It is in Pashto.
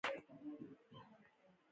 بلقیس د لیک په لیدلو سلیمان ته غاړه کېښوده.